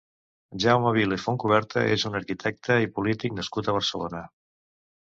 Jaume Vila i Fontcuberta és un arquitecte i polític nascut a Barcelona.